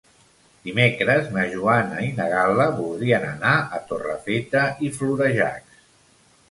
Dimecres na Joana i na Gal·la voldrien anar a Torrefeta i Florejacs.